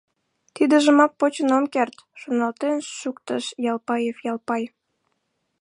«Тидыжымак почын ом керт, — шоналтен шуктыш Ялпаев Ялпай.